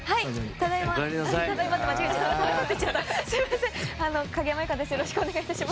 ただいま！